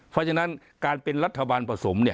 เพราะฉะนั้นการเป็นรัฐบาลผสมเนี่ย